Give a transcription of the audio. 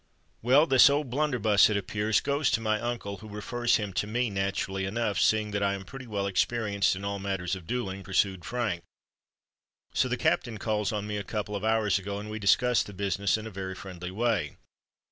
"Well, this O'Blunderbuss, it appears, goes to my uncle, who refers him to me—naturally enough, seeing that I am pretty well experienced in all matters of duelling," pursued Frank. "So the Captain calls on me a couple of hours ago; and we discuss the business in a very friendly way.